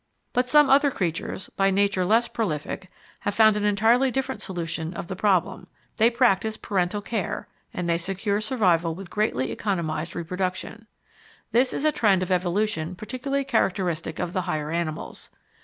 But some other creatures, by nature less prolific, have found an entirely different solution of the problem. They practise parental care and they secure survival with greatly economised reproduction. This is a trend of evolution particularly characteristic of the higher animals.